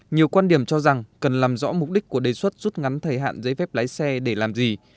nhiều quan điểm cho rằng cần làm rõ mục đích của đề xuất rút ngắn thời hạn giấy phép lái xe để làm gì